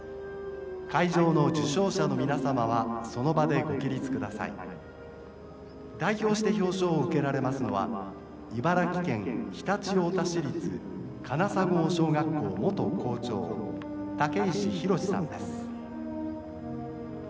会場の受賞者の皆様はその場でご起立ください。代表して表彰を受けられますのは茨城県常陸太田市立金砂郷小学校元校長武石洋さんです」。